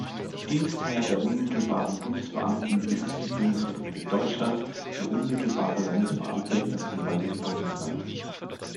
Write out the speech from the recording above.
Dienstherr der unmittelbaren Bundesbeamten ist die Bundesrepublik Deutschland, für unmittelbare Landesbeamte das jeweilige Bundesland.